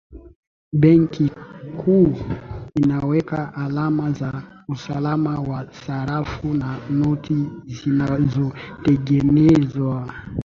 benki kuu inaweka alama za usalama wa sarafu na noti zinazotengenezwa